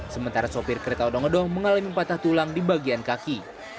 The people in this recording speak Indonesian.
sementara sopir kereta odong odong mengalami patah tulang di bagian kaki